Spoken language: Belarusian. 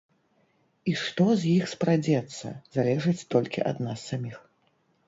І што з іх спрадзецца, залежыць толькі ад нас саміх.